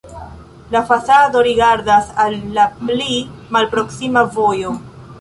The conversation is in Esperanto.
La fasado rigardas al la pli malproksima vojo.